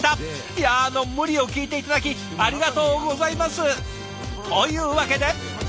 いやあの無理を聞いて頂きありがとうございます！というわけで。